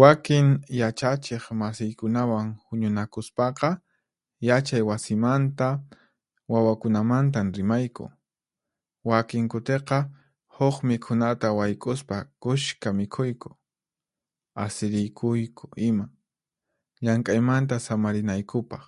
Wakin yachachiq masiykunawan huñunakuspaqa, yachay wasimanta, wawakunamantan rimayku. Wakin kutiqa, huq mikhunata wayk'uspa kushka mikhuyku, asirikuyku ima, llank'aymanta samarinaykupaq.